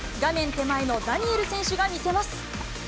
手前のダニエル選手が見せます。